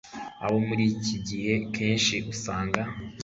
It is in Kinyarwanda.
bo muri iki gihe kenshi usanga